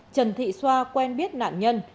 trần thị xoa quen biết nạn nhân